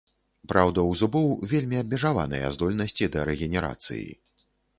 Праўда, у зубоў вельмі абмежаваныя здольнасці да рэгенерацыі.